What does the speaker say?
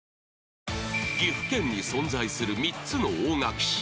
岐阜県に存在する３つの大垣市